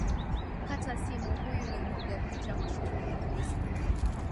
katika simu huyu ni mpiga picha mashuhuri kabisa